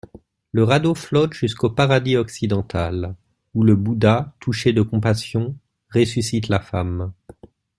Le radeau flotte jusqu'au «paradis occidental», où le Bouddha, touché de compassion, ressuscite la femme.